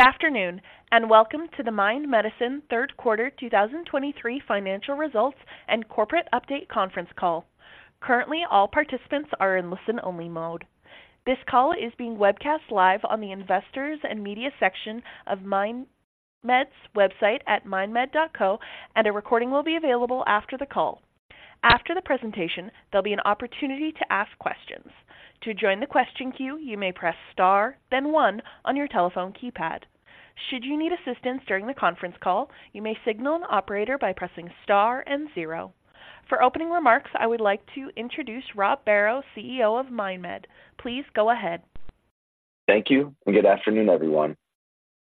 Good afternoon, and welcome to the Mind Medicine third quarter 2023 financial results and corporate update conference call. Currently, all participants are in listen-only mode. This call is being webcast live on the Investors and Media section of MindMed's website at mindmed.co, and a recording will be available after the call. After the presentation, there'll be an opportunity to ask questions. To join the question queue, you may press Star, then one on your telephone keypad. Should you need assistance during the conference call, you may signal an operator by pressing Star and zero. For opening remarks, I would like to introduce Rob Barrow, CEO of MindMed. Please go ahead. Thank you, and good afternoon, everyone.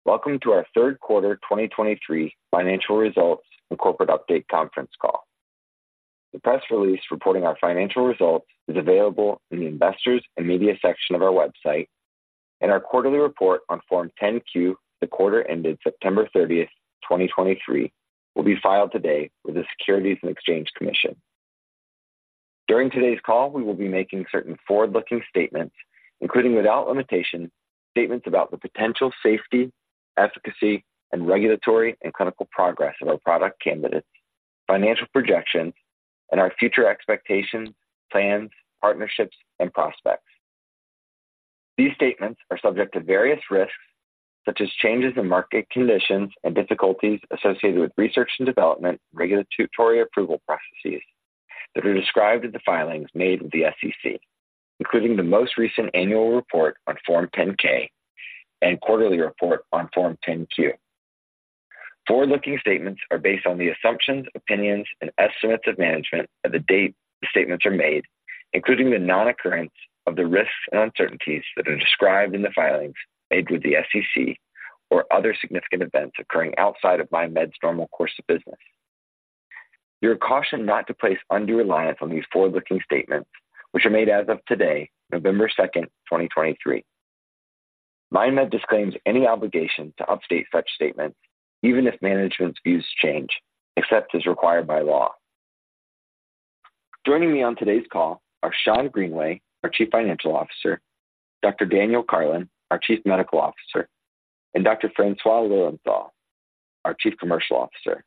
Welcome to our third quarter 2023 financial results and corporate update conference call. The press release reporting our financial results is available in the Investors and Media section of our website, and our quarterly report on Form 10-Q for the quarter ended September 30, 2023, will be filed today with the Securities and Exchange Commission. During today's call, we will be making certain forward-looking statements, including, without limitation, statements about the potential safety, efficacy, and regulatory and clinical progress of our product candidates, financial projections, and our future expectations, plans, partnerships, and prospects. These statements are subject to various risks, such as changes in market conditions and difficulties associated with research and development, regulatory approval processes that are described in the filings made with the SEC, including the most recent annual report on Form 10-K and quarterly report on Form 10-Q. Forward-looking statements are based on the assumptions, opinions and estimates of management at the date the statements are made, including the non-occurrence of the risks and uncertainties that are described in the filings made with the SEC or other significant events occurring outside of MindMed's normal course of business. You are cautioned not to place undue reliance on these forward-looking statements, which are made as of today, November 2, 2023. MindMed disclaims any obligation to update such statements, even if management's views change, except as required by law. Joining me on today's call are Schond Greenway, our Chief Financial Officer, Dr. Daniel Karlin, our Chief Medical Officer, and Dr. Francois Lilienthal, our Chief Commercial Officer.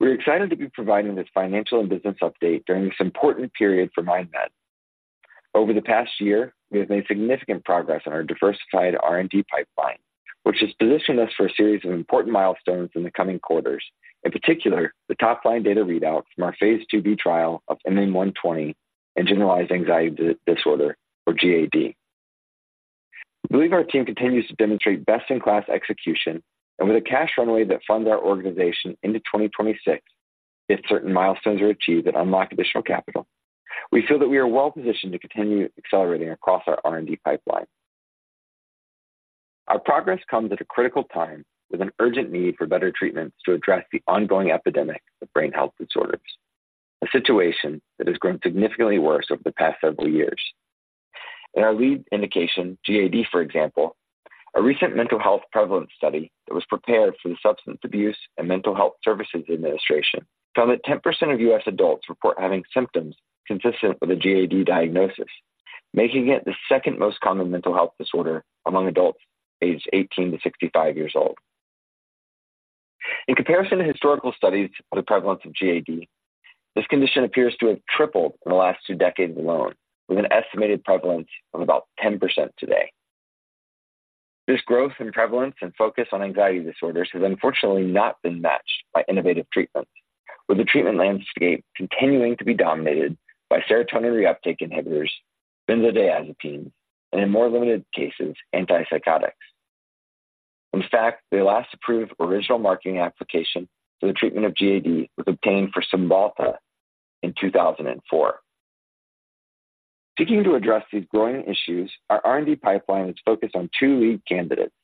We're excited to be providing this financial and business update during this important period for MindMed. Over the past year, we have made significant progress on our diversified R&D pipeline, which has positioned us for a series of important milestones in the coming quarters. In particular, the top line data readout from our phase 2B trial of MM-120 in generalized anxiety disorder or GAD. We believe our team continues to demonstrate best-in-class execution and with a cash runway that funds our organization into 2026, if certain milestones are achieved that unlock additional capital. We feel that we are well positioned to continue accelerating across our R&D pipeline. Our progress comes at a critical time, with an urgent need for better treatments to address the ongoing epidemic of brain health disorders, a situation that has grown significantly worse over the past several years. In our lead indication, GAD, for example, a recent mental health prevalence study that was prepared for the Substance Abuse and Mental Health Services Administration, found that 10% of U.S. adults report having symptoms consistent with a GAD diagnosis, making it the second most common mental health disorder among adults aged 18 to 65 years old. In comparison to historical studies on the prevalence of GAD, this condition appears to have tripled in the last two decades alone, with an estimated prevalence of about 10% today. This growth in prevalence and focus on anxiety disorders has unfortunately not been matched by innovative treatments, with the treatment landscape continuing to be dominated by serotonin reuptake inhibitors, benzodiazepines, and in more limited cases, antipsychotics. In fact, the last approved original marketing application for the treatment of GAD was obtained for Cymbalta in 2004. Seeking to address these growing issues, our R&D pipeline is focused on two lead candidates,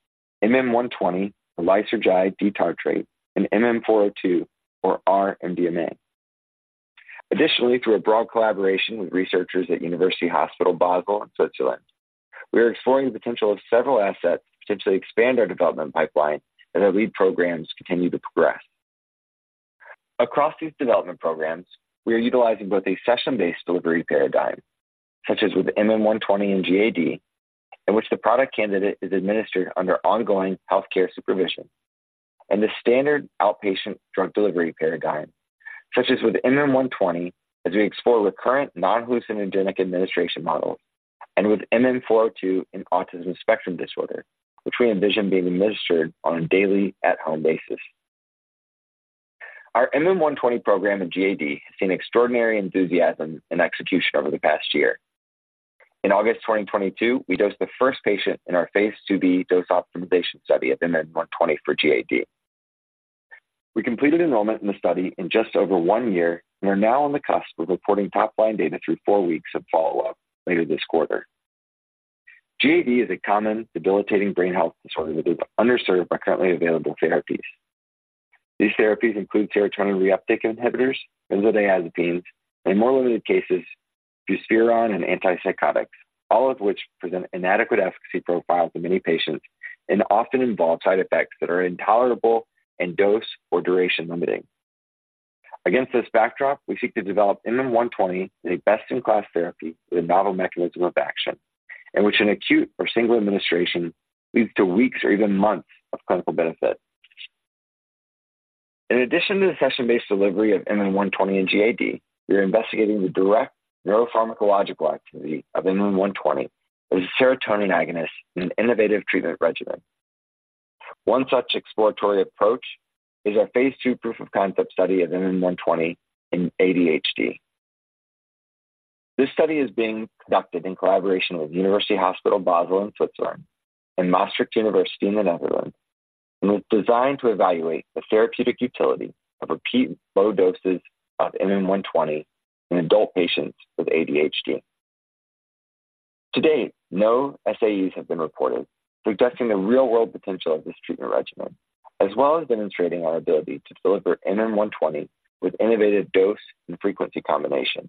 MM-120 or lysergide tartrate and MM-402 or R-MDMA. Additionally, through a broad collaboration with researchers at University Hospital Basel in Switzerland, we are exploring the potential of several assets to potentially expand our development pipeline as our lead programs continue to progress. Across these development programs, we are utilizing both a session-based delivery paradigm, such as with MM-120 in GAD, in which the product candidate is administered under ongoing healthcare supervision, and the standard outpatient drug delivery paradigm, such as with MM-120, as we explore recurrent non-hallucinogenic administration models and with MM-402 in autism spectrum disorder, which we envision being administered on a daily at-home basis. Our MM-120 program in GAD has seen extraordinary enthusiasm and execution over the past year. In August 2022, we dosed the first patient in our phase 2B dose optimization study of MM-120 for GAD. We completed enrollment in the study in just over one year and are now on the cusp of reporting top line data through four weeks of follow-up later this quarter. GAD is a common debilitating brain health disorder that is underserved by currently available therapies. These therapies include serotonin reuptake inhibitors, benzodiazepines, and in more limited cases, buspirone and antipsychotics, all of which present inadequate efficacy profiles in many patients and often involve side effects that are intolerable and dose or duration limiting. Against this backdrop, we seek to develop MM-120 in a best-in-class therapy with a novel mechanism of action, in which an acute or single administration leads to weeks or even months of clinical benefit. In addition to the session-based delivery of MM-120 and GAD, we are investigating the direct neuropharmacological activity of MM-120 as a serotonin agonist in an innovative treatment regimen. One such exploratory approach is our phase 2 proof of concept study of MM-120 in ADHD. This study is being conducted in collaboration with University Hospital Basel in Switzerland and Maastricht University in the Netherlands, and was designed to evaluate the therapeutic utility of repeat low doses of MM-120 in adult patients with ADHD. To date, no SAEs have been reported, suggesting the real-world potential of this treatment regimen, as well as demonstrating our ability to deliver MM-120 with innovative dose and frequency combination.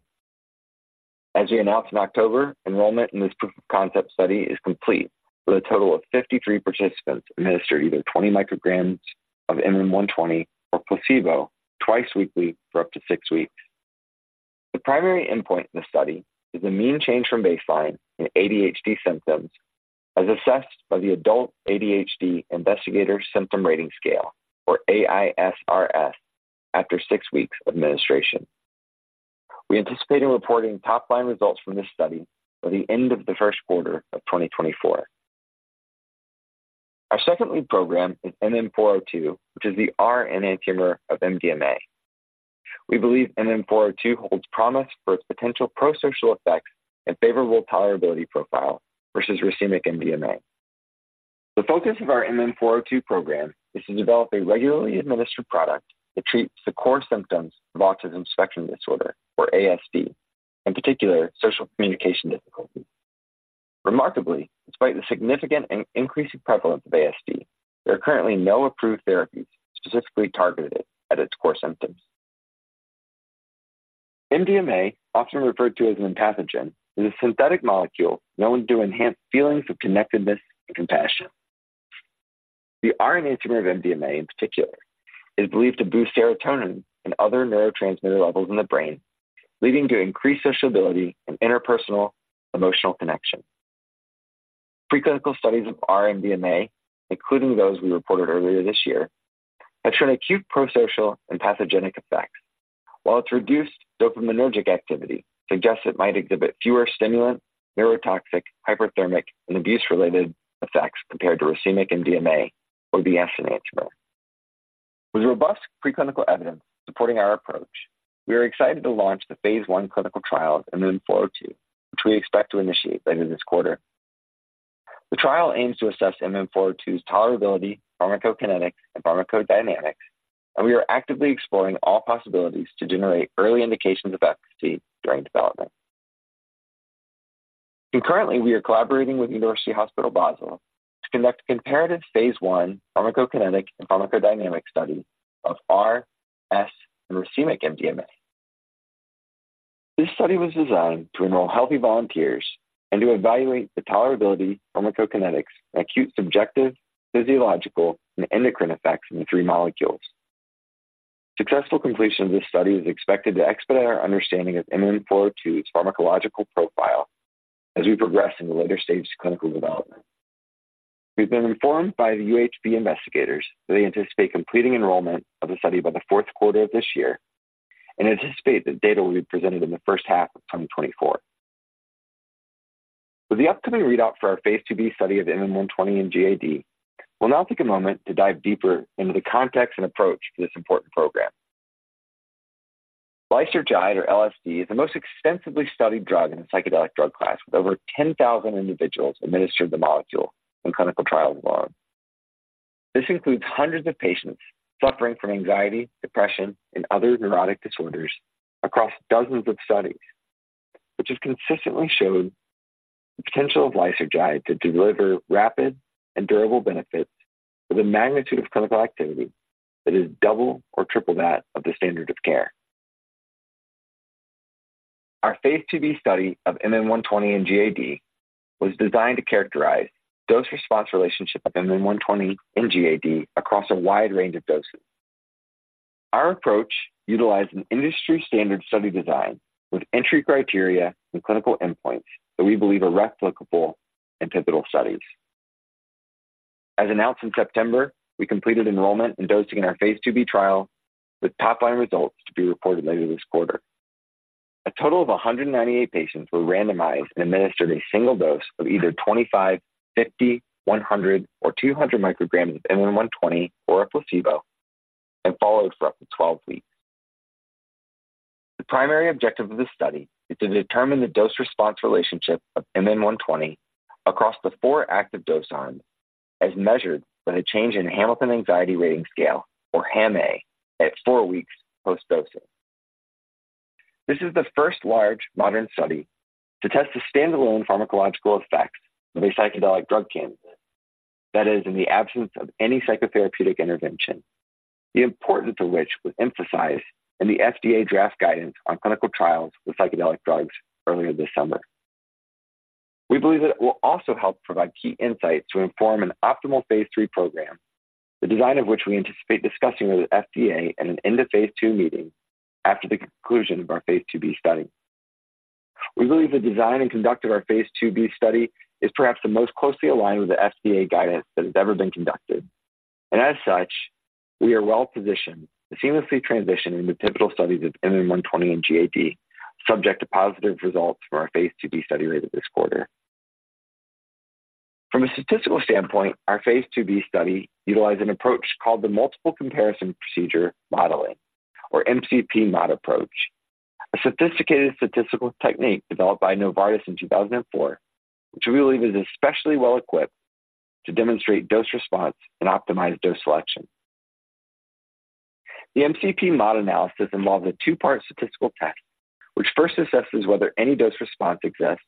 As we announced in October, enrollment in this proof of concept study is complete, with a total of 53 participants administered either 20 micrograms of MM-120 or placebo twice weekly for up to six weeks. The primary endpoint in the study is the mean change from baseline in ADHD symptoms, as assessed by the Adult ADHD Investigator Symptom Rating Scale, or AISRS, after six weeks of administration. We anticipate reporting top-line results from this study by the end of the first quarter of 2024. Our second lead program is MM-402, which is the R enantiomer of MDMA. We believe MM-402 holds promise for its potential prosocial effects and favorable tolerability profile versus racemic MDMA. The focus of our MM-402 program is to develop a regularly administered product that treats the core symptoms of autism spectrum disorder, or ASD, in particular, social communication difficulties. Remarkably, despite the significant and increasing prevalence of ASD, there are currently no approved therapies specifically targeted at its core symptoms. MDMA, often referred to as an empathogen, is a synthetic molecule known to enhance feelings of connectedness and compassion. The R enantiomer of MDMA, in particular, is believed to boost serotonin and other neurotransmitter levels in the brain, leading to increased sociability and interpersonal emotional connection. Preclinical studies of R-MDMA, including those we reported earlier this year, have shown acute prosocial and empathogenic effects, while its reduced dopaminergic activity suggests it might exhibit fewer stimulant, neurotoxic, hyperthermic, and abuse-related effects compared to racemic MDMA or the S enantiomer. With robust preclinical evidence supporting our approach, we are excited to launch the phase 1 clinical trial of MM-402, which we expect to initiate later this quarter. The trial aims to assess MM-402's tolerability, pharmacokinetics, and pharmacodynamics, and we are actively exploring all possibilities to generate early indications of efficacy during development. Concurrently, we are collaborating with University Hospital Basel to conduct a comparative phase 1 pharmacokinetic and pharmacodynamic study of R, S, and racemic MDMA. This study was designed to enroll healthy volunteers and to evaluate the tolerability, pharmacokinetics, and acute subjective, physiological, and endocrine effects in the three molecules. Successful completion of this study is expected to expedite our understanding of MM-402's pharmacological profile as we progress in the later stages of clinical development. We've been informed by the UHB investigators that they anticipate completing enrollment of the study by the fourth quarter of this year and anticipate that data will be presented in the first half of 2024. With the upcoming readout for our phase 2B study of MM-120 and GAD, we'll now take a moment to dive deeper into the context and approach to this important program. Lysergide, or LSD, is the most extensively studied drug in the psychedelic drug class, with over 10,000 individuals administered the molecule in clinical trials alone. This includes hundreds of patients suffering from anxiety, depression, and other neurotic disorders across dozens of studies, which has consistently shown the potential of lysergide to deliver rapid and durable benefits with a magnitude of clinical activity that is double or triple that of the standard of care. Our phase 2B study of MM-120 and GAD was designed to characterize dose-response relationship of MM-120 and GAD across a wide range of doses. Our approach utilized an industry-standard study design with entry criteria and clinical endpoints that we believe are replicable in pivotal studies. As announced in September, we completed enrollment and dosing in our phase 2B trial, with top-line results to be reported later this quarter. A total of 198 patients were randomized and administered a single dose of either 25, 50, 100, or 200 micrograms of MM-120 or a placebo and followed for up to 12 weeks. The primary objective of this study is to determine the dose-response relationship of MM-120 across the 4 active dose arms, as measured by the change in Hamilton Anxiety Rating Scale, or HAM-A, at 4 weeks post-dosing. This is the first large modern study to test the standalone pharmacological effects of a psychedelic drug candidate. That is, in the absence of any psychotherapeutic intervention, the importance of which was emphasized in the FDA draft guidance on clinical trials with psychedelic drugs earlier this summer. We believe that it will also help provide key insights to inform an optimal phase 3 program, the design of which we anticipate discussing with the FDA in an end-of-phase 2 meeting after the conclusion of our phase 2B study. We believe the design and conduct of our phase 2B study is perhaps the most closely aligned with the FDA guidance that has ever been conducted, and as such, we are well positioned to seamlessly transition into pivotal studies of MM-120 and GAD, subject to positive results from our phase 2B study later this quarter. From a statistical standpoint, our phase 2B study utilized an approach called the Multiple Comparison Procedure Modeling, or MCPMod approach, a sophisticated statistical technique developed by Novartis in 2004, which we believe is especially well equipped to demonstrate dose response and optimize dose selection. The MCPMod analysis involves a two-part statistical test, which first assesses whether any dose response exists,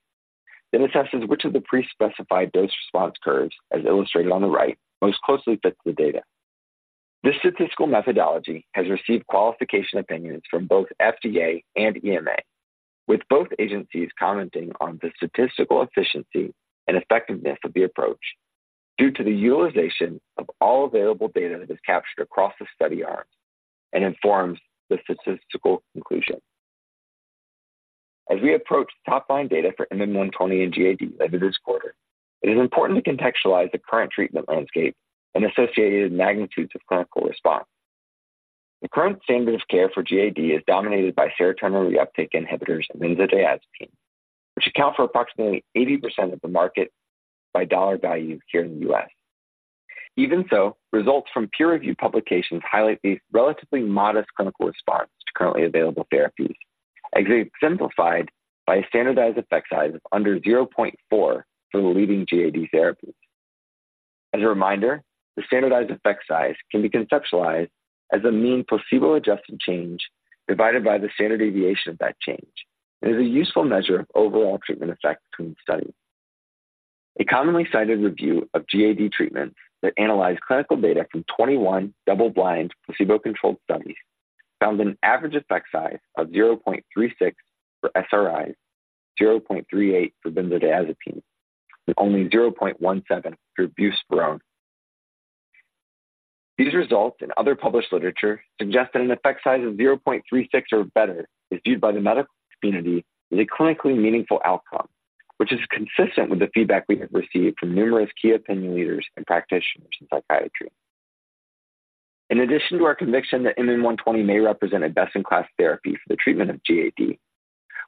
then assesses which of the pre-specified dose response curves, as illustrated on the right, most closely fits the data. This statistical methodology has received qualification opinions from both FDA and EMA, with both agencies commenting on the statistical efficiency and effectiveness of the approach due to the utilization of all available data that is captured across the study arms and informs the statistical conclusion. As we approach top line data for MM-120 and GAD later this quarter, it is important to contextualize the current treatment landscape and associated magnitudes of clinical response. The current standard of care for GAD is dominated by serotonin reuptake inhibitors and benzodiazepine, which account for approximately 80% of the market by dollar value here in the U.S. Even so, results from peer review publications highlight the relatively modest clinical response to currently available therapies, as exemplified by a standardized effect size of under 0.4 for the leading GAD therapies. As a reminder, the standardized effect size can be conceptualized as a mean placebo-adjusted change divided by the standard deviation of that change, and is a useful measure of overall treatment effect between studies. A commonly cited review of GAD treatments that analyzed clinical data from 21 double-blind, placebo-controlled studies, found an average effect size of 0.36 for SRIs, 0.38 for benzodiazepines, with only 0.17 for buspirone. These results and other published literature suggest that an effect size of 0.36 or better is viewed by the medical community as a clinically meaningful outcome, which is consistent with the feedback we have received from numerous key opinion leaders and practitioners in psychiatry. In addition to our conviction that MM-120 may represent a best-in-class therapy for the treatment of GAD,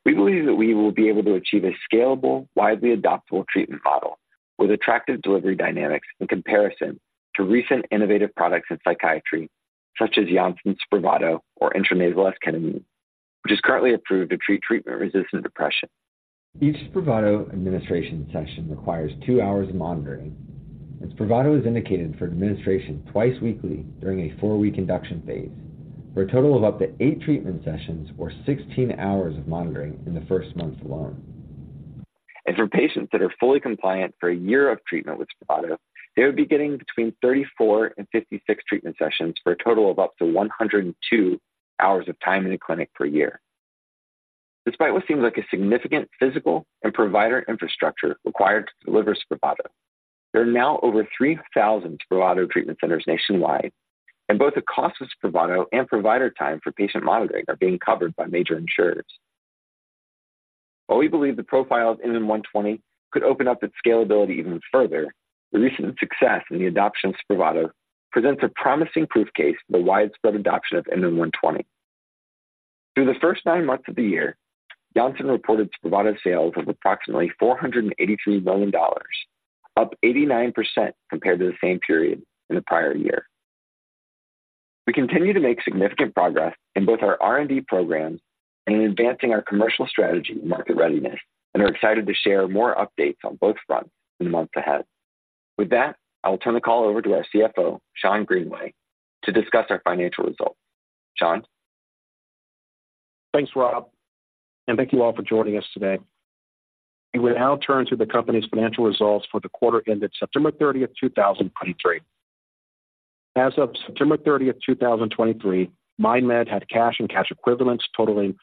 we believe that we will be able to achieve a scalable, widely adoptable treatment model with attractive delivery dynamics in comparison to recent innovative products in psychiatry, such as Janssen's Spravato or intranasal esketamine, which is currently approved to treat treatment-resistant depression. Each Spravato administration session requires 2 hours of monitoring, and Spravato is indicated for administration twice weekly during a 4-week induction phase, for a total of up to 8 treatment sessions or 16 hours of monitoring in the first month alone. For patients that are fully compliant for a year of treatment with Spravato, they would be getting between 34 and 56 treatment sessions for a total of up to 102 hours of time in the clinic per year. Despite what seems like a significant physical and provider infrastructure required to deliver Spravato, there are now over 3,000 Spravato treatment centers nationwide, and both the cost of Spravato and provider time for patient monitoring are being covered by major insurers. While we believe the profile of MM-120 could open up its scalability even further, the recent success in the adoption of Spravato presents a promising proof case for the widespread adoption of MM-120. Through the first 9 months of the year, Janssen reported Spravato sales of approximately $483 million, up 89% compared to the same period in the prior year. We continue to make significant progress in both our R&D programs and in advancing our commercial strategy and market readiness, and are excited to share more updates on both fronts in the months ahead. With that, I will turn the call over to our CFO, Schond Greenway, to discuss our financial results. Sean? Thanks, Rob, and thank you all for joining us today. We will now turn to the company's financial results for the quarter ended September 30, 2023. As of September 30, 2023, MindMed had cash and cash equivalents totaling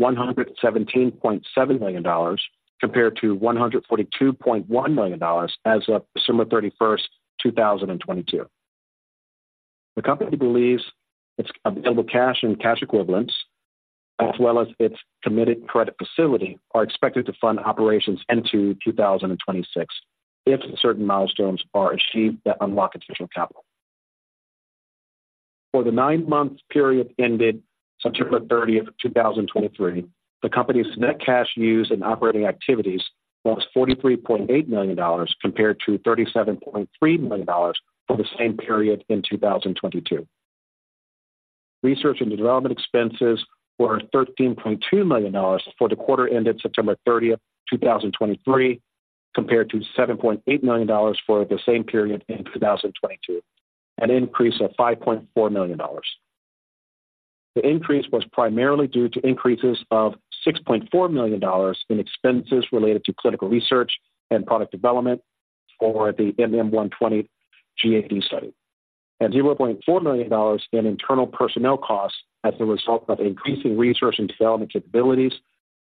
$117.7 million, compared to $142.1 million as of December 31, 2022. The company believes its available cash and cash equivalents, as well as its committed credit facility, are expected to fund operations into 2026 if certain milestones are achieved that unlock additional capital. For the 9-month period ended September 30, 2023, the company's net cash used in operating activities was $43.8 million, compared to $37.3 million for the same period in 2022. Research and development expenses were $13.2 million for the quarter ended September 30, 2023, compared to $7.8 million for the same period in 2022, an increase of $5.4 million. The increase was primarily due to increases of $6.4 million in expenses related to clinical research and product development for the MM-120 GAD study, and $0.4 million in internal personnel costs as a result of increasing research and development capabilities,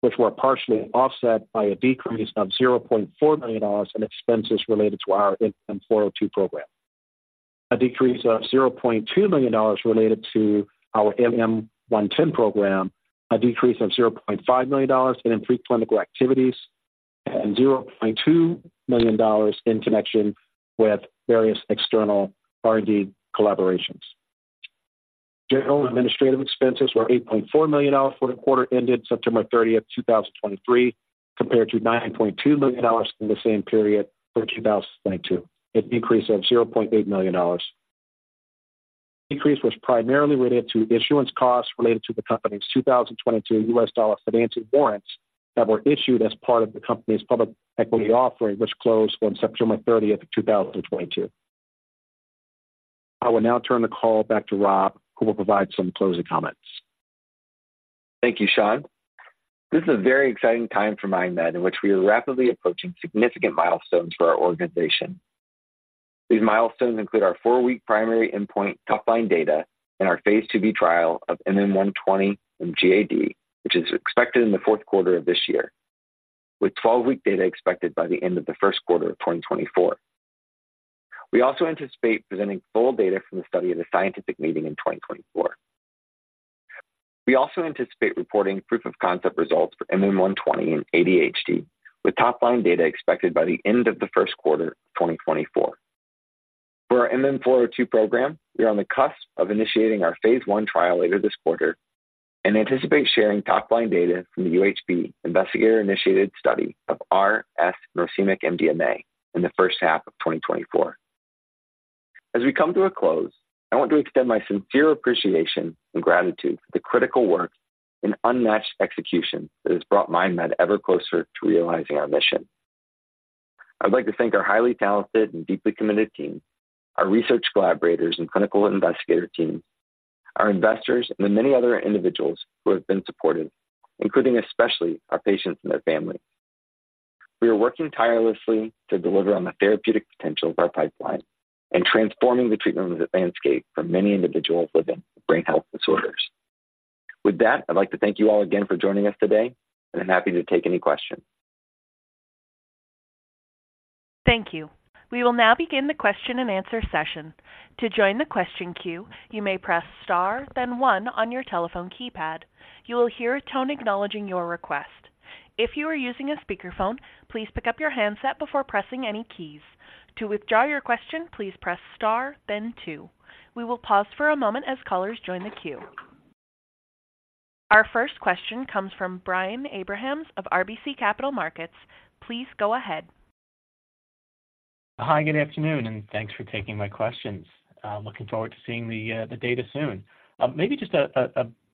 which were partially offset by a decrease of $0.4 million in expenses related to our MM-402 program, a decrease of $0.2 million related to our MM-110 program, a decrease of $0.5 million in preclinical activities, and $0.2 million in connection with various external R&D collaborations. General administrative expenses were $8.4 million for the quarter ended September 30, 2023, compared to $9.2 million in the same period for 2022, a decrease of $0.8 million. Decrease was primarily related to issuance costs related to the Company's 2022 U.S. dollar financing warrants that were issued as part of the Company's public equity offering, which closed on September 30, 2022. I will now turn the call back to Rob, who will provide some closing comments. Thank you, Schond. This is a very exciting time for MindMed, in which we are rapidly approaching significant milestones for our organization. These milestones include our four-week primary endpoint top-line data in our phase 2B trial of MM-120 in GAD, which is expected in the fourth quarter of this year, with twelve-week data expected by the end of the first quarter of 2024. We also anticipate presenting full data from the study at a scientific meeting in 2024. We also anticipate reporting proof of concept results for MM-120 in ADHD, with top-line data expected by the end of the first quarter of 2024. For our MM-402 program, we are on the cusp of initiating our phase 1 trial later this quarter and anticipate sharing top-line data from the UHB investigator-initiated study of R, S, and racemic MDMA in the first half of 2024. As we come to a close, I want to extend my sincere appreciation and gratitude for the critical work and unmatched execution that has brought MindMed ever closer to realizing our mission. I'd like to thank our highly talented and deeply committed team, our research collaborators and clinical investigator teams, our investors, and the many other individuals who have been supportive, including especially our patients and their families. We are working tirelessly to deliver on the therapeutic potential of our pipeline and transforming the treatment landscape for many individuals living with brain health disorders. With that, I'd like to thank you all again for joining us today, and I'm happy to take any questions. Thank you. We will now begin the question-and-answer session. To join the question queue, you may press Star, then one on your telephone keypad. You will hear a tone acknowledging your request. If you are using a speakerphone, please pick up your handset before pressing any keys. To withdraw your question, please press Star then two. We will pause for a moment as callers join the queue. Our first question comes from Brian Abrahams of RBC Capital Markets. Please go ahead. Hi, good afternoon, and thanks for taking my questions. Looking forward to seeing the data soon. Maybe just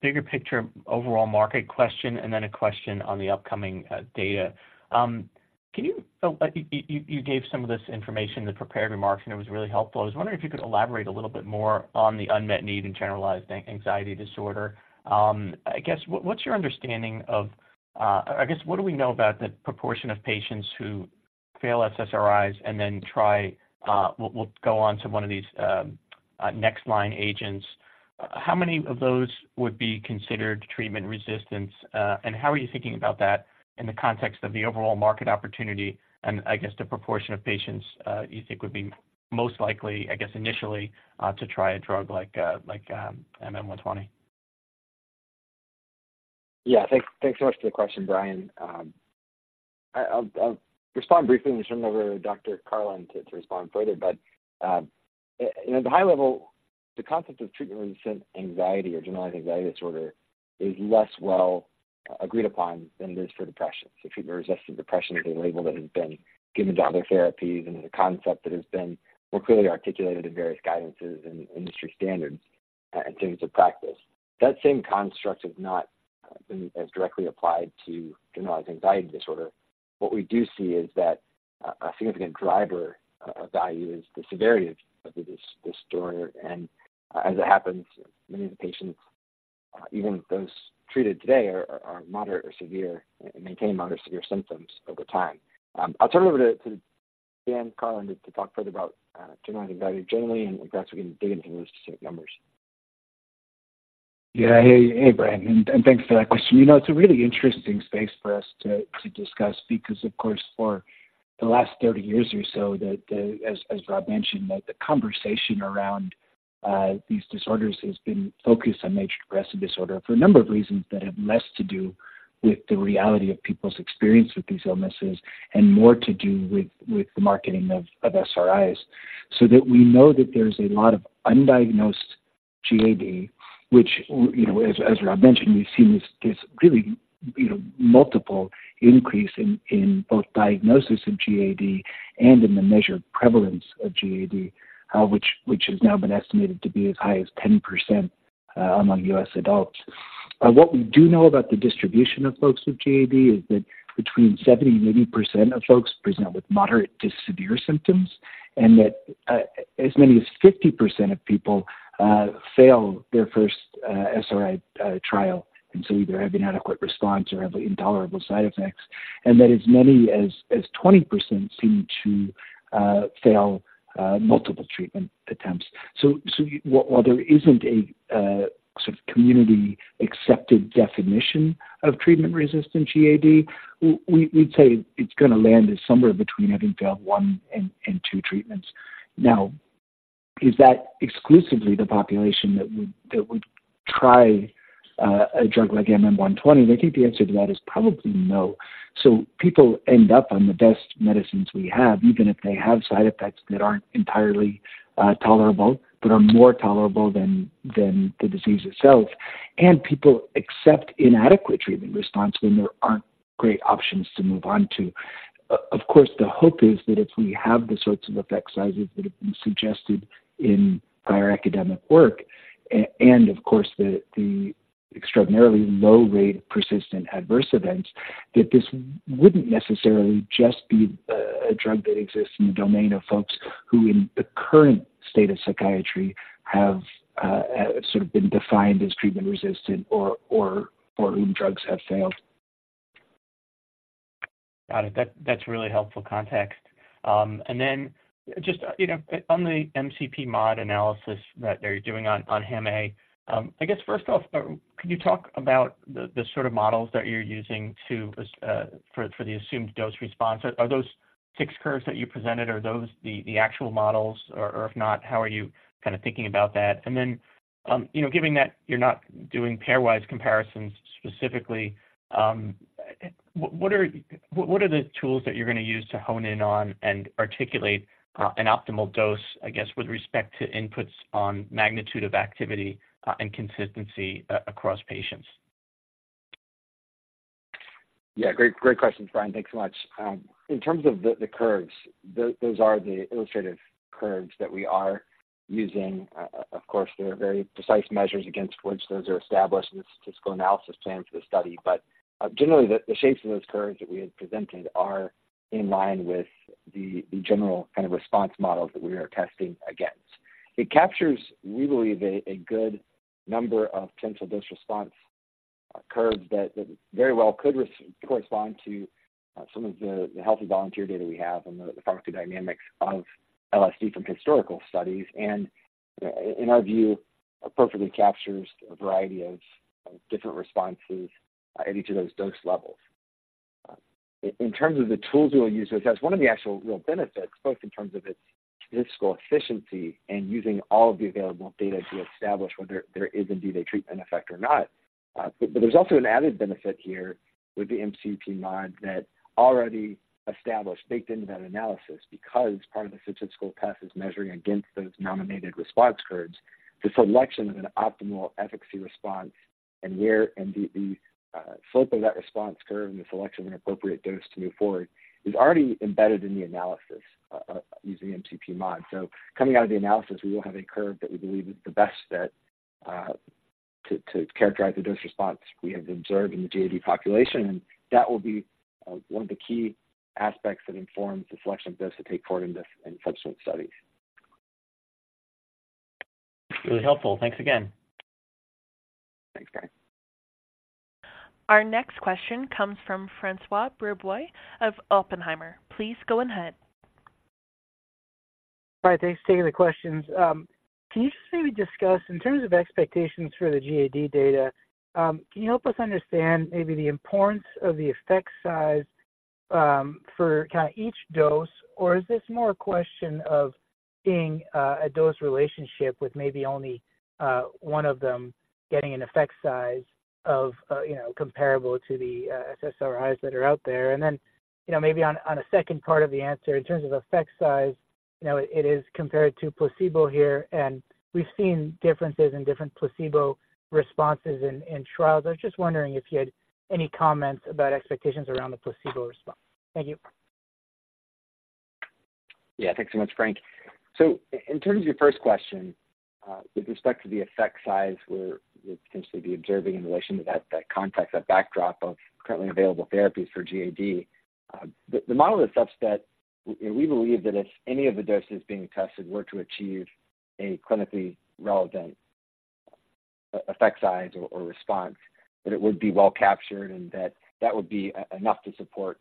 a bigger picture, overall market question and then a question on the upcoming data. Can you—you gave some of this information in the prepared remarks, and it was really helpful. I was wondering if you could elaborate a little bit more on the unmet need in generalized anxiety disorder. I guess, what's your understanding of, I guess, what do we know about the proportion of patients who fail SSRIs and then try, will go on to one of these next line agents? How many of those would be considered treatment-resistant, and how are you thinking about that in the context of the overall market opportunity and I guess, the proportion of patients you think would be most likely, I guess, initially, to try a drug like MM-120? Yeah. Thanks so much for the question, Brian. I'll respond briefly and just turn it over to Dr. Karlin to respond further. But at the high level, the concept of treatment-resistant anxiety or generalized anxiety disorder is less well agreed upon than it is for depression. So treatment-resistant depression is a label that has been given to other therapies and is a concept that has been more clearly articulated in various guidances and industry standards and standards of practice. That same construct has not been as directly applied to generalized anxiety disorder. What we do see is that a significant driver of value is the severity of the disorder. And as it happens, many of the patients, even those treated today, are moderate or severe and maintain moderate or severe symptoms over time. I'll turn it over to Daniel Karlin to talk further about generalized anxiety generally, and perhaps we can dig into those specific numbers. Yeah. Hey, hey, Brian, and thanks for that question. You know, it's a really interesting space for us to discuss because, of course, for the last 30 years or so, as Rob mentioned, the conversation around these disorders has been focused on major depressive disorder for a number of reasons that have less to do with the reality of people's experience with these illnesses and more to do with the marketing of SRIs. So that we know that there's a lot of undiagnosed GAD, which, you know, as Rob mentioned, we've seen this really, you know, multiple increase in both diagnosis of GAD and in the measured prevalence of GAD, which has now been estimated to be as high as 10%, among U.S. adults. What we do know about the distribution of folks with GAD is that between 70%-80% of folks present with moderate to severe symptoms, and that, as many as 50% of people, fail their first, SRI, trial, and so either have inadequate response or have intolerable side effects.... and that as many as 20% seem to fail multiple treatment attempts. So while there isn't a sort of community accepted definition of treatment-resistant GAD, we'd say it's going to land as somewhere between having failed one and two treatments. Now, is that exclusively the population that would try a drug like MM-120? I think the answer to that is probably no. So people end up on the best medicines we have, even if they have side effects that aren't entirely tolerable, but are more tolerable than the disease itself. And people accept inadequate treatment response when there aren't great options to move on to. Of course, the hope is that if we have the sorts of effect sizes that have been suggested in prior academic work, and of course, the extraordinarily low rate of persistent adverse events, that this wouldn't necessarily just be a drug that exists in the domain of folks who, in the current state of psychiatry, have sort of been defined as treatment-resistant or whom drugs have failed. Got it. That, that's really helpful context. And then just, you know, on the MCPMod analysis that they're doing on HAM-A, I guess, first off, can you talk about the sort of models that you're using to for the assumed dose-response? Are those six curves that you presented, are those the actual models, or if not, how are you kind of thinking about that? And then, you know, given that you're not doing pairwise comparisons specifically, what are the tools that you're going to use to hone in on and articulate an optimal dose, I guess, with respect to inputs on magnitude of activity and consistency across patients? Yeah, great, great questions, Brian. Thanks so much. In terms of the curves, those are the illustrative curves that we are using. Of course, there are very precise measures against which those are established in the statistical analysis plan for the study. But generally, the shapes of those curves that we have presented are in line with the general kind of response models that we are testing against. It captures, we believe, a good number of potential dose response curves that very well could correspond to some of the healthy volunteer data we have and the pharmacodynamics of LSD from historical studies, and in our view, appropriately captures a variety of different responses at each of those dose levels. In terms of the tools we will use, as one of the actual real benefits, both in terms of its statistical efficiency and using all of the available data to establish whether there is indeed a treatment effect or not. But there's also an added benefit here with the MCPMod that already established, baked into that analysis, because part of the statistical test is measuring against those nominated response curves. The selection of an optimal efficacy response and the slope of that response curve and the selection of an appropriate dose to move forward is already embedded in the analysis, using the MCPMod. Coming out of the analysis, we will have a curve that we believe is the best fit to characterize the dose-response we have observed in the GAD population, and that will be one of the key aspects that informs the selection of dose to take forward in subsequent studies. Really helpful. Thanks again. Thanks, guys. Our next question comes from Francois Brisebois of Oppenheimer. Please go ahead. Hi, thanks for taking the questions. Can you just maybe discuss in terms of expectations for the GAD data, can you help us understand maybe the importance of the effect size, for kind of each dose? Or is this more a question of seeing, a dose relationship with maybe only, one of them getting an effect size of, you know, comparable to the, SSRIs that are out there? And then, you know, maybe on, on a second part of the answer, in terms of effect size, you know, it is compared to placebo here, and we've seen differences in different placebo responses in trials. I was just wondering if you had any comments about expectations around the placebo response. Thank you. Yeah. Thanks so much, Frank. So in terms of your first question, with respect to the effect size, we'd potentially be observing in relation to that backdrop of currently available therapies for GAD. The model is such that we believe that if any of the doses being tested were to achieve a clinically relevant effect size or response, that it would be well captured, and that that would be enough to support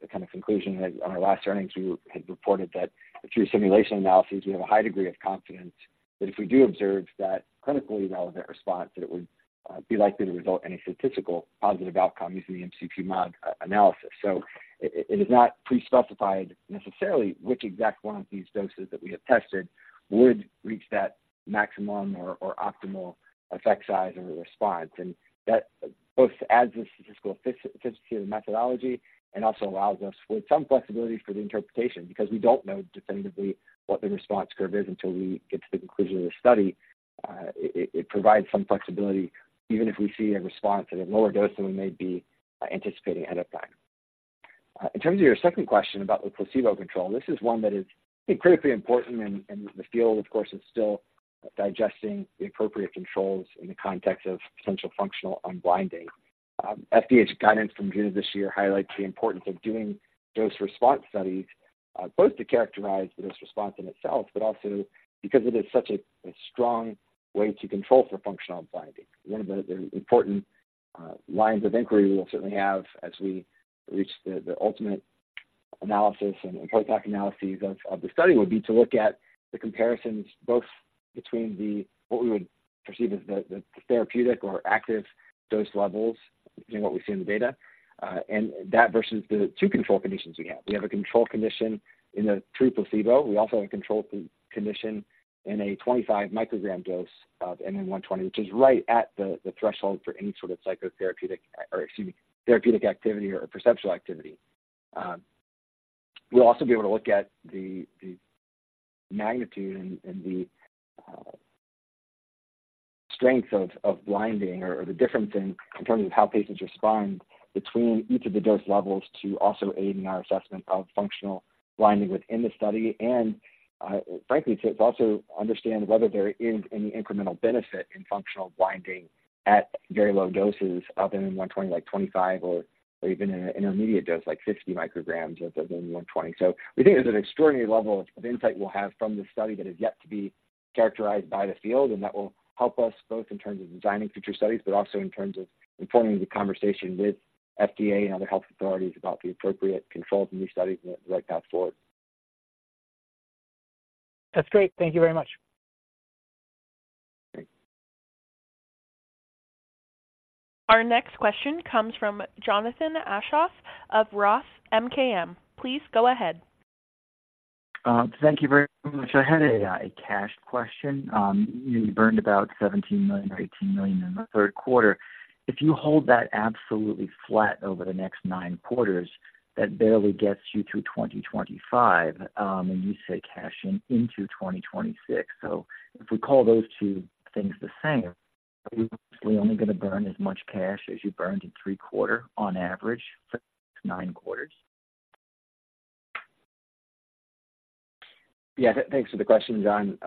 the kind of conclusion. At our last earnings, we had reported that through simulation analysis, we have a high degree of confidence that if we do observe that clinically relevant response, that it would be likely to result in a statistical positive outcome using the MCPMod analysis. So it is not pre-specified necessarily which exact one of these doses that we have tested would reach that maximum or optimal effect size or response, and that both adds a statistical efficiency to the methodology and also allows us with some flexibility for the interpretation, because we don't know definitively what the response curve is until we get to the conclusion of the study. It provides some flexibility, even if we see a response at a lower dose than we may be anticipating ahead of time. In terms of your second question about the placebo control, this is one that is critically important, and the field, of course, is still digesting the appropriate controls in the context of potential functional unblinding. FDA's guidance from June of this year highlights the importance of doing dose response studies-... both to characterize the dose response in itself, but also because it is such a strong way to control for functional blinding. One of the important lines of inquiry we will certainly have as we reach the ultimate analysis and post hoc analyses of the study, would be to look at the comparisons both between the what we would perceive as the therapeutic or active dose levels, depending what we see in the data, and that versus the two control conditions we have. We have a control condition in the true placebo. We also have a control condition in a 25 microgram dose of MM-120, which is right at the threshold for any sort of psychotherapeutic, or excuse me, therapeutic activity or perceptual activity. We'll also be able to look at the magnitude and the strength of blinding or the difference in terms of how patients respond between each of the dose levels to also aiding our assessment of functional blinding within the study. And, frankly, to also understand whether there is any incremental benefit in functional blinding at very low doses of MM-120, like 25 or even an intermediate dose, like 50 micrograms of MM-120. So we think there's an extraordinary level of insight we'll have from this study that is yet to be characterized by the field, and that will help us both in terms of designing future studies, but also in terms of informing the conversation with FDA and other health authorities about the appropriate controls in these studies and the right path forward. That's great. Thank you very much. Great. Our next question comes from Jonathan Aschoff of Roth MKM. Please go ahead. Thank you very much. I had a cash question. You burned about $17 million or $18 million in the third quarter. If you hold that absolutely flat over the next nine quarters, that barely gets you to 2025, and you say cashing into 2026. So if we call those two things the same, are we only going to burn as much cash as you burned in third quarter on average for nine quarters? Yeah, thanks for the question, John.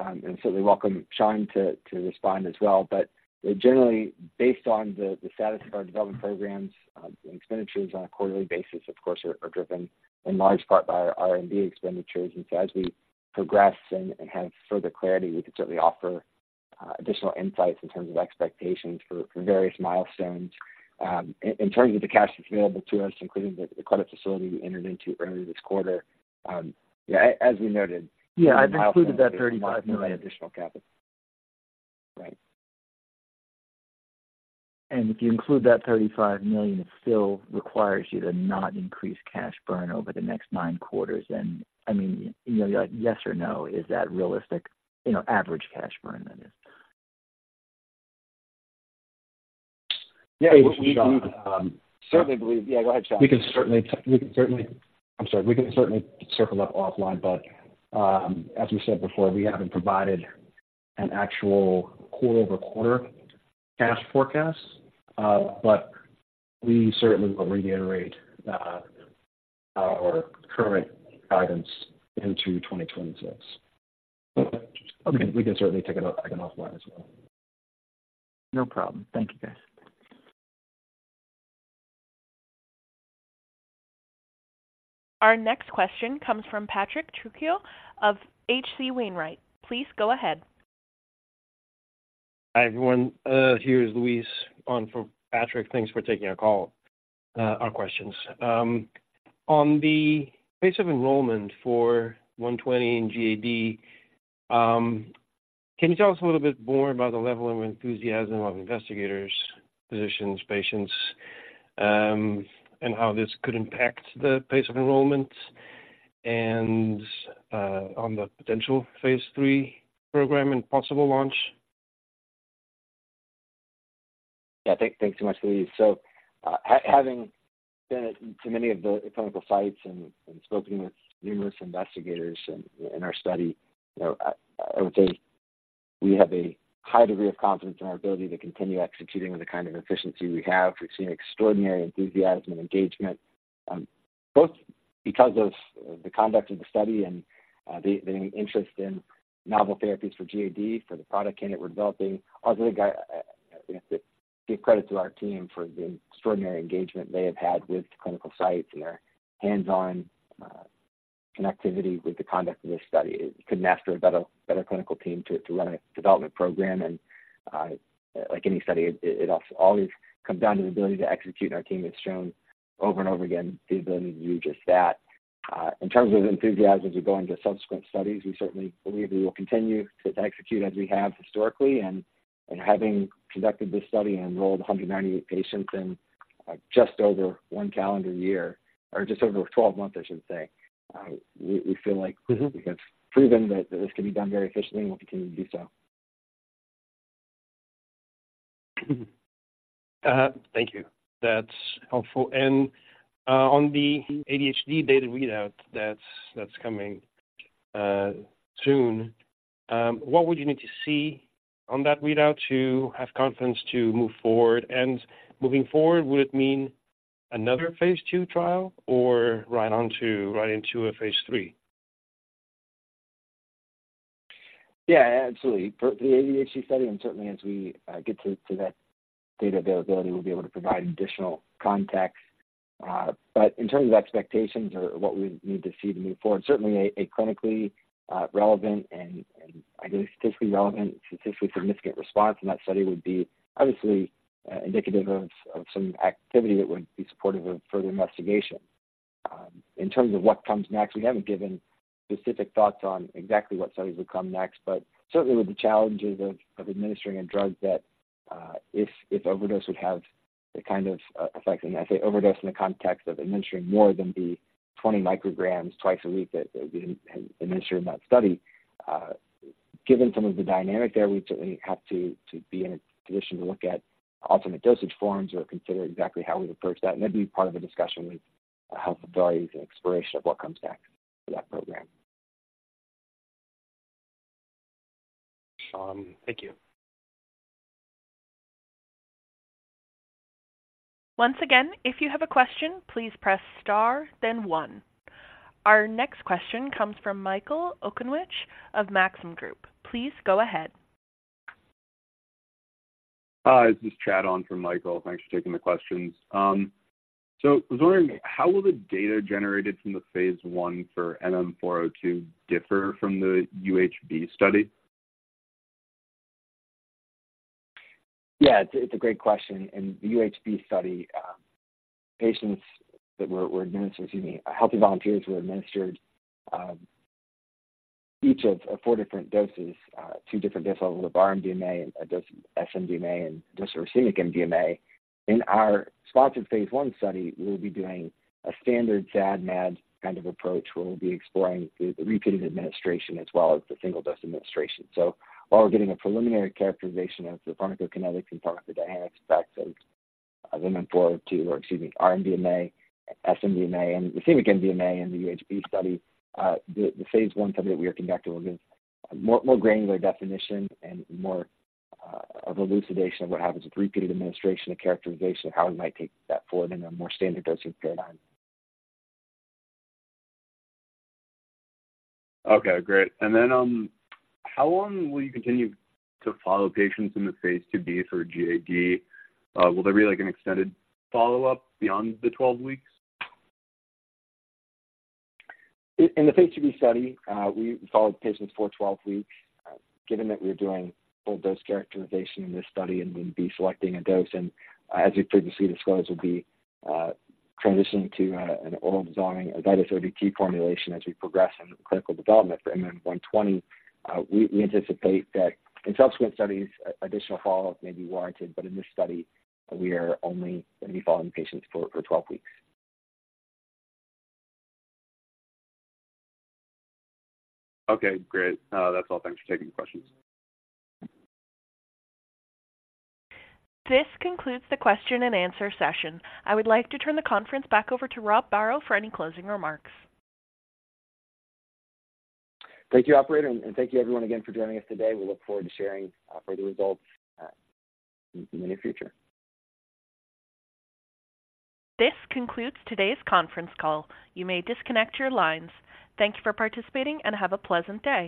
Certainly welcome Schond to respond as well. But generally, based on the status of our development programs, expenditures on a quarterly basis, of course, are driven in large part by our R&D expenditures. So as we progress and have further clarity, we can certainly offer additional insights in terms of expectations for various milestones. In terms of the cash available to us, including the credit facility we entered into earlier this quarter, yeah, as we noted- Yeah, I've included that $35 million. Additional capital. Right. If you include that $35 million, it still requires you to not increase cash burn over the next 9 quarters. I mean, you know, like, yes or no, is that realistic? You know, average cash burn, that is. Yeah, we... Certainly believe... Yeah, go ahead, Schond. We can certainly circle up offline, but as we said before, we haven't provided an actual quarter-over-quarter cash forecast, but we certainly will reiterate our current guidance into 2026. Okay. We can certainly take a note, take it offline as well. No problem. Thank you, guys. Our next question comes from Patrick Trucchio of H.C. Wainwright. Please go ahead. Hi, everyone. Here's Luis on for Patrick. Thanks for taking our call or questions. On the pace of enrollment for 120 in GAD, can you tell us a little bit more about the level of enthusiasm of investigators, physicians, patients, and how this could impact the pace of enrollment and on the potential phase 3 program and possible launch? Yeah, thanks so much, Luis. So, having been to many of the clinical sites and spoken with numerous investigators in our study, you know, I would say we have a high degree of confidence in our ability to continue executing with the kind of efficiency we have. We've seen extraordinary enthusiasm and engagement, both because of the conduct of the study and the interest in novel therapies for GAD, for thef product candidate we're developing. Also, we have to give credit to our team for the extraordinary engagement they have had with the clinical sites and their hands-on connectivity with the conduct of this study. Couldn't ask for a better clinical team to run a development program, and like any study, it also always comes down to the ability to execute, and our team has shown over and over again the ability to do just that. In terms of enthusiasm, as we go into subsequent studies, we certainly believe we will continue to execute as we have historically. And having conducted this study and enrolled 198 patients in just over 1 calendar year, or just over 12 months, I should say, we feel like- Mm-hmm. We have proven that this can be done very efficiently and will continue to do so. Thank you. That's helpful. And on the ADHD data readout that's coming soon, what would you need to see on that readout to have confidence to move forward? And moving forward, would it mean another phase II trial or right on to right into a phase III?... Yeah, absolutely. For the ADHD study, and certainly as we get to that data availability, we'll be able to provide additional context. But in terms of expectations or what we need to see to move forward, certainly a clinically relevant and, I guess, statistically relevant, statistically significant response in that study would be obviously indicative of some activity that would be supportive of further investigation. In terms of what comes next, we haven't given specific thoughts on exactly what studies would come next, but certainly with the challenges of administering a drug that if overdose would have the kind of effect. And I say overdose in the context of administering more than the 20 micrograms twice a week that we had administered in that study. Given some of the dynamic there, we certainly have to be in a position to look at alternate dosage forms or consider exactly how we'd approach that. That'd be part of a discussion with health authorities and exploration of what comes next for that program. Schond, thank you. Once again, if you have a question, please press Star, then One. Our next question comes from Michael Okunewitch of Maxim Group. Please go ahead. Hi, this is Chad Owen from Michael. Thanks for taking the questions. So, I was wondering, how will the data generated from the phase 1 for MM-402 differ from the UHB study? Yeah, it's a great question. In the UHB study, patients that were administered, excuse me, healthy volunteers were administered each of 4 different doses, 2 different dose levels of R-MDMA, a dose S-MDMA, and a dose of racemic MDMA. In our sponsored phase 1 study, we'll be doing a standard SAD/MAD kind of approach, where we'll be exploring the repeated administration as well as the single-dose administration. So while we're getting a preliminary characterization of the pharmacokinetics and pharmacodynamics effects of MM-402, or excuse me, R-MDMA, S-MDMA, and the racemic MDMA in the UHB study, the phase 1 study that we are conducting will give more granular definition and more of elucidation of what happens with repeated administration and characterization of how we might take that forward in a more standard dosing paradigm. Okay, great. And then, how long will you continue to follow patients in the phase IIb for GAD? Will there be, like, an extended follow-up beyond the 12 weeks? In the phase IIb study, we followed patients for 12 weeks. Given that we're doing full dose characterization in this study and we'd be selecting a dose, and as you've previously disclosed, we'll be transitioning to an oral design, a vital sort of key formulation as we progress in clinical development for MM-120. We anticipate that in subsequent studies, additional follow-up may be warranted, but in this study, we are only going to be following patients for 12 weeks. Okay, great. That's all. Thanks for taking the questions. This concludes the question and answer session. I would like to turn the conference back over to Rob Barrow for any closing remarks. Thank you, operator, and thank you everyone again for joining us today. We look forward to sharing further results in the near future. This concludes today's conference call. You may disconnect your lines. Thank you for participating, and have a pleasant day.